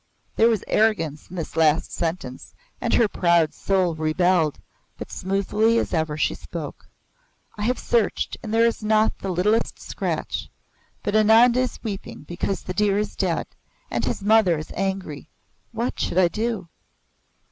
There was arrogance in the last sentence and her proud soul rebelled, but smoothly as ever she spoke: "I have searched and there is not the littlest scratch. But Ananda is weeping because the deer is dead, and his mother is angry. What should I do?"